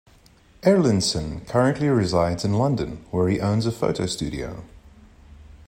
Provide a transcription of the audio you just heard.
Erlandsson currently resides in London where he owns a photo studio.